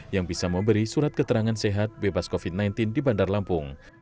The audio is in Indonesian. yang bisa memberi surat keterangan sehat bebas covid sembilan belas di bandar lampung